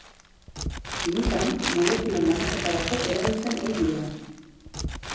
Kimikan, molekulen banaketarako erabiltzen ohi dira.